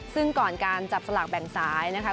ซึ่งก่อนการจับสลากแบ่งสายนะคะ